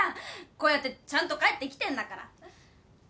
こうやってちゃんと帰ってきてんだから。